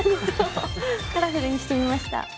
カラフルにしてみました。